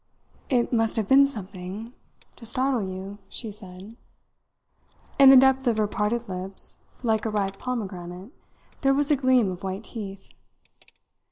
"It must have been something to startle you," she said. In the depth of her parted lips, like a ripe pomegranate, there was a gleam of white teeth.